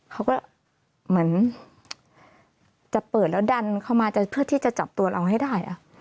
เขาก็เหมือนจะเปิดแล้วดันเข้ามาเพื่อที่จะจับตัวเราให้ได้